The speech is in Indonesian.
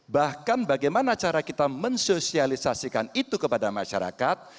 bahkan bagaimana cara kita mensosialisasikan itu kepada masyarakat